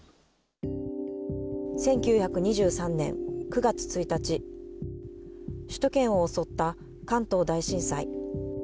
１９２３年９月１日、首都圏を襲った関東大震災。